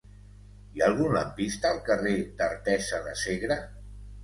Hi ha algun lampista al carrer d'Artesa de Segre?